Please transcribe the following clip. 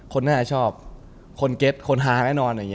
คนน่าจะชอบคนเก็ตคนฮาแน่นอน